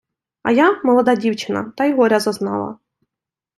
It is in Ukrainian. А я, молода дівчина, та й горя зазнала